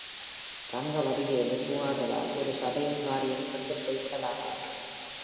ரங்கவடி வேலு போகாததால் ஒரு சபையின் காரியங் கெட்டுப்போய் விடலாகாது.